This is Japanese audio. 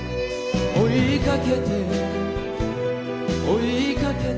「追いかけて追いかけて」